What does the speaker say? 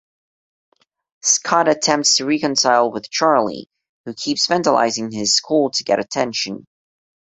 Scott attempts to reconcile with Charlie, who keeps vandalizing his school to get attention.